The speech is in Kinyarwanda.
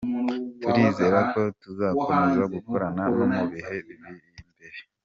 Turizera ko tuzakomeza gukorana no mu bihe biri imbere.